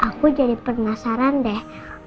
aku jadi penasaran deh